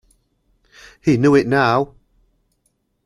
He knew it now.